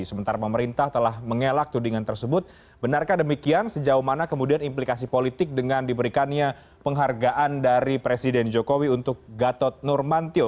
sementara pemerintah telah mengelak tudingan tersebut benarkah demikian sejauh mana kemudian implikasi politik dengan diberikannya penghargaan dari presiden jokowi untuk gatot nurmantio